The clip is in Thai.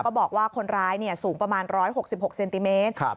ก็บอกว่าคนร้ายเนี่ยสูงประมาณร้อยหกสิบหกเซนติเมตรครับ